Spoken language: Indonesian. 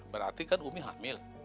berarti kan umi hamil